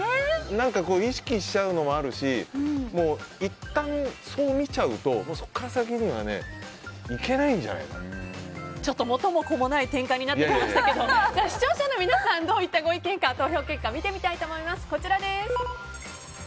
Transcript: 意識しちゃうのもあるしいったんそう見ちゃうとそこから先には元も子もない展開になってきましたけど視聴者の皆さんどういったご意見か投票結果を見てみたいと思います。